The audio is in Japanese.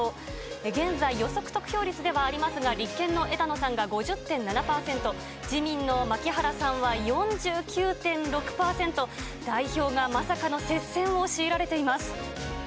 現在、予測得票率ではありますが、立憲の枝野さんが５０．７％、自民の牧原さんは４９．６％、代表がまさかの接戦を強いられています。